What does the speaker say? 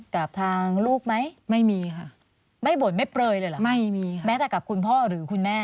กับทางลูกไหมไม่มีค่ะไม่บ่นไม่เปลยเลยเหรอไม่มีค่ะแม้แต่กับคุณพ่อหรือคุณแม่